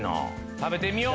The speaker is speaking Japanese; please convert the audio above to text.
食べてみよう。